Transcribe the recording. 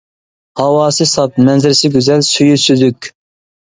ھاۋاسى ساپ، مەنزىرىسى گۈزەل، سۈيى سۈزۈك.